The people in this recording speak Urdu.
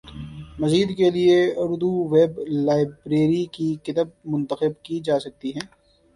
مزید کے لیے اردو ویب لائبریری کی کتب منتخب کی جا سکتی ہیں